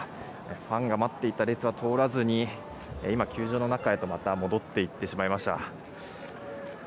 ファンが待っていた列は通らずに今、球場の中へとまた戻って行ってしまいました。